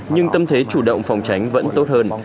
nhưng tâm thế chủ động phòng tránh vẫn tốt hơn